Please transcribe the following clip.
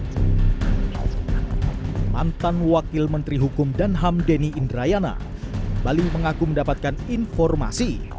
hai mantan wakil menteri hukum dan ham denny indrayana bali mengaku mendapatkan informasi